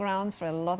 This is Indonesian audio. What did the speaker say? dan sungai ini